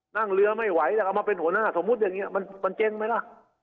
นั่งเรือไม่ไหวแล้วก็มาเป็นหัวหน้าสมมุติอย่างนี้มันเจ๊งไหมล่ะ